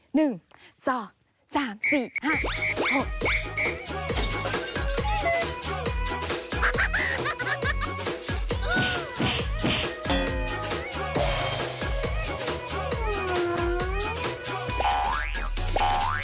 หนึ่งสองสามสี่ห้าหก